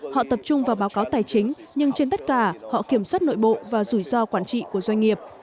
họ tập trung vào báo cáo tài chính nhưng trên tất cả họ kiểm soát nội bộ và rủi ro quản trị của doanh nghiệp